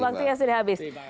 waktunya sudah habis